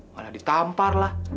malah ditampar lah